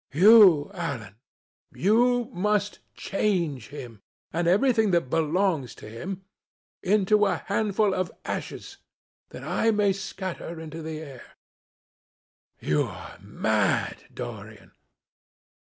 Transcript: You, Alan, you must change him, and everything that belongs to him, into a handful of ashes that I may scatter in the air." "You are mad, Dorian."